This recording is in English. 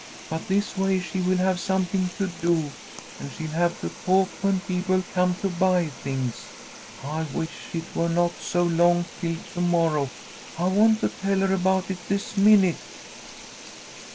But this way she will have something to do, and she'll have to talk when people come to buy things. I wish it were not so long till to morrow! I want to tell her about it this minute."